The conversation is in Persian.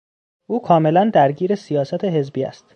او کاملا درگیر سیاست حزبی است.